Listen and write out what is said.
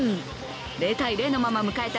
０−０のまま迎えた